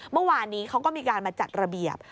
เมื่อวานนี้เขาก็มีการมาจัดระเบียบ